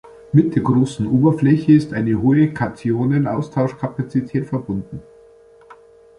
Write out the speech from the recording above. Mit der großen Oberfläche ist eine hohe Kationenaustauschkapazität verbunden.